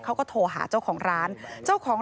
เขาก็โทรหาเจ้าของร้าน